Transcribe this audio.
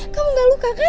kamu gak luka kan